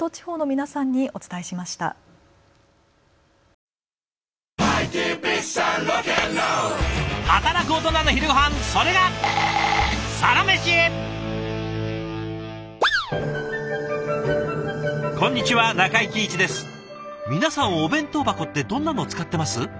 皆さんお弁当箱ってどんなのを使ってます？